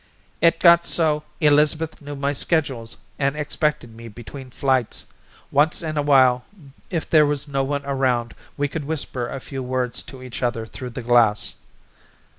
"It got so Elizabeth knew my schedules and expected me between flights. Once in a while if there was no one around we could whisper a few words to each other through the glass."